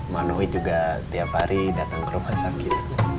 manoid juga tiap hari datang ke rumah sakit